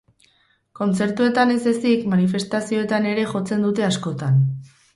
Kontzertuetan ez ezik, manifestazioetan ere jotzen dute askotan.